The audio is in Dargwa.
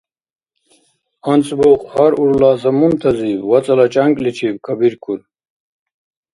АнцӀбукь, гьар-урла замунтазиб, вацӀала чӀянкӀличиб кабиркур.